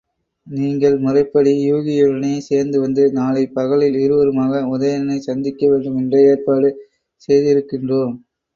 நீங்கள் முறைப்படி யூகியுடனே சேர்ந்துவந்து, நாளைப் பகலில் இருவருமாக உதயணனைச் சந்திக்க வேண்டும் என்ற ஏற்பாடு செய்திருக்கின்றோம்.